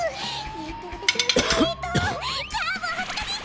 えっとわたしはそのえっとキャもうはずかしい！